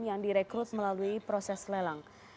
yang direkrut melalui proses lelang